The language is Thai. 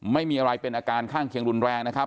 ไม่มีอะไรเป็นอาการข้างเคียงรุนแรงนะครับ